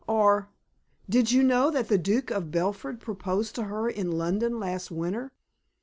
Or "Did you know that the Duke of Belford proposed to her in London last winter?"